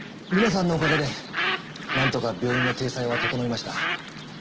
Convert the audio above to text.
皆さんのおかげでなんとか病院の体裁は整いました。